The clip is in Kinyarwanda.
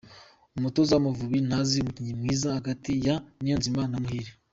Umutoza wamavubi ntazi umukinnyi mwiza hagati ya niyonzima na muhire